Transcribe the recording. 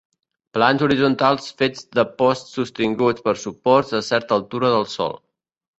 Plans horitzontals fets de posts sostinguts per suports a certa altura del sòl.